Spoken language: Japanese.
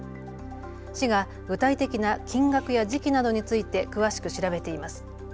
市が具体的な金額や時期などについて詳しく調べています。